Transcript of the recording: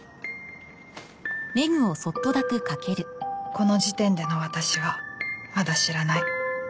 この時点での私はまだ知らない。